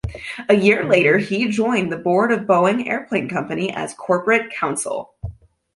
A year later he joined the Board of Boeing Airplane Company as corporate counsel.